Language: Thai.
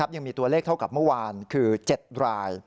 ยังมีตัวเลขเท่ากับเมื่อวานคือ๗ราย